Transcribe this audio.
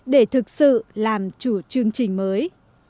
để thực sự làm chủ chương trình mới